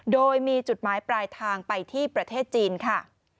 โดยมีจุดหมายปลายทางไปที่ประเทศจีนค่ะ